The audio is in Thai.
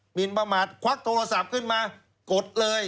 หินประมาทควักโทรศัพท์ขึ้นมากดเลย